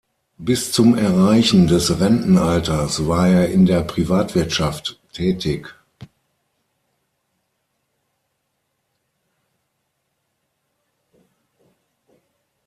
Bis zum Erreichen des Rentenalters war er in der Privatwirtschaft tätig.